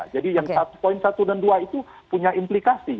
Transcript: jadi yang poin satu dan dua itu punya implikasi